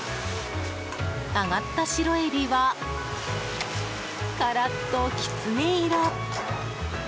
揚がった白エビはカラッときつね色。